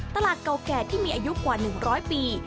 ตลาดเก่าแก่ที่มีอายุกว่า๑๐๐ปี